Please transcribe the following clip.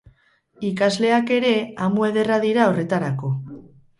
Ikasleak ere amu ederra dira horretarako.